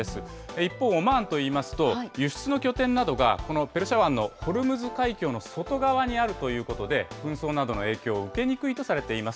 一方、オマーンといいますと、輸出の拠点などがこのペルシャ湾のホルムズ海峡の外側にあるということで、紛争などの影響を受けにくいとされています。